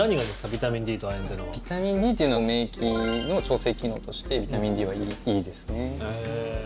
ビタミンＤというのは免疫の調整機能としてビタミンＤはいいですね。